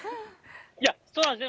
いや、そうなんです。